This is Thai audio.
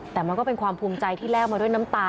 แต่มันก็เป็นความภูมิใจที่แลกมาด้วยน้ำตา